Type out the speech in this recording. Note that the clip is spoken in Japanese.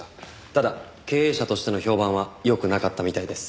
ただ経営者としての評判はよくなかったみたいです。